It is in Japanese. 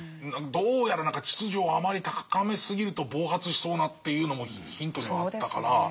どうやら秩序をあまり高めすぎると暴発しそうなっていうのもヒントにはあったから。